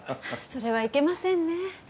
それはいけませんね。